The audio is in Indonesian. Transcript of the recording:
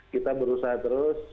kita berusaha terus